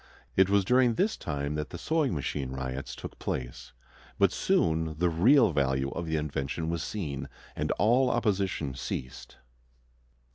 It was during this time that the "sewing machine riots" took place; but soon the real value of the invention was seen, and all opposition ceased.